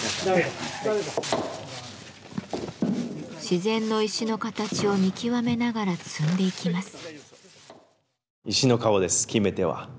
自然の石の形を見極めながら積んでいきます。